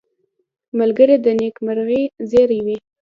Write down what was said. ملګری د نېکمرغۍ زېری وي